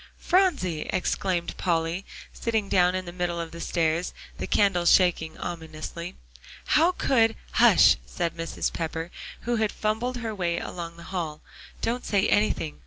"Phronsie!" exclaimed Polly, sitting down on the middle of the stairs, the candle shaking ominously, "how could" "Hush!" said Mrs. Pepper, who had fumbled her way along the hall. "Don't say anything.